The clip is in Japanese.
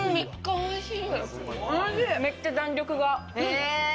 おいしい！